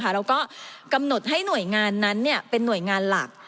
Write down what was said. แล้วก็กำหนดให้หน่วยงานนั้นเป็นหน่วยงานหลัก